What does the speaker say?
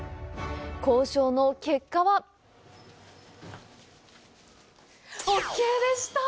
交渉の結果はオーケーでした。